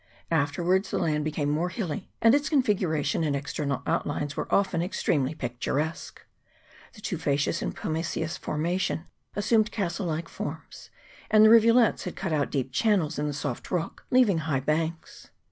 Afterwards the land became more hilly, and its configuration and external outlines were often extremely picturesque : the tufaceous and pumiceous formation assumed castle like forms, and the rivulets had cut out deep channels in the soft rock, leaving high banks.